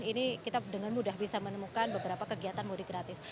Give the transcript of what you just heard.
ini kita dengan mudah bisa menemukan beberapa kegiatan mudik gratis